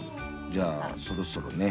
じゃあそろそろね。